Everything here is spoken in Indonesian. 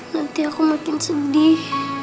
nanti aku makin sedih